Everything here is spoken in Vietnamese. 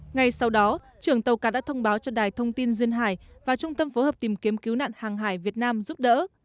ngay sau đó trưởng tàu cá đã thông báo cho đài thông tin duyên hải và trung tâm phối hợp tìm kiếm cứu nạn hàng hải việt nam giúp đỡ